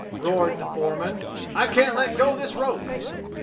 roared the foreman. "I can't let go this rope!"